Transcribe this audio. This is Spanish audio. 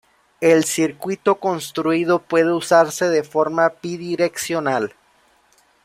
El circuito construido puede usarse de forma bidireccional.